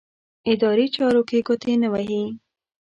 اداري چارو کې ګوتې نه وهي.